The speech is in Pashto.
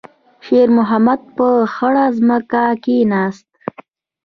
شېرمحمد په خړه ځمکه کېناست.